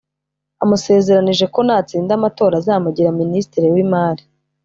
amusezeranije ko natsinda amatora azamugira Ministre w’Imari